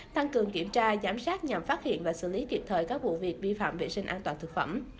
tăng cường kiểm tra giám sát nhằm phát hiện và xử lý kịp thời các vụ việc vi phạm vệ sinh an toàn thực phẩm